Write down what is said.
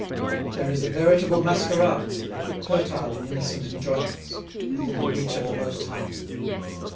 There is a veritable masquerade, fertile in innocent enjoyments, within the reach of the most humble.